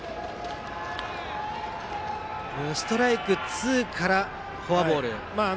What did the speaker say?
ストライクツーからフォアボール。